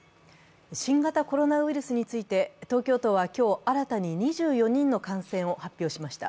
新型コロナウイルスについて東京都は今日新たに２４人の感染を発表しました。